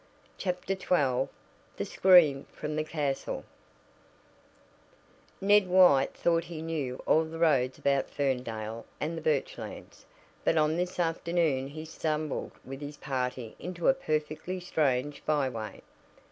CHAPTER XII THE SCREAM FROM THE CASTLE Ned White thought he knew all the roads about Ferndale and the Birchlands, but on this afternoon he stumbled with his party into a perfectly strange byway.